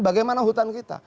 bagaimana hutan kita